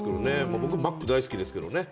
僕、マック大好きですけどね。